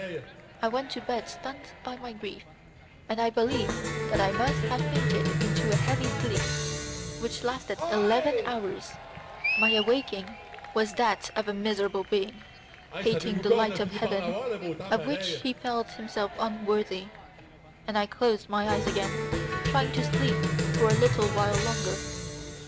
I went to bed stunned by my grief, and I believe that I must have fainted into a heavy sleep, which lasted eleven hours; my awaking was that of a miserable being, hating the light of heaven, of which he felt himself unworthy, and I closed my eyes again, trying to sleep for a little while longer.